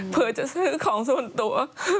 เพื่อจะซื้อของส่วนตัว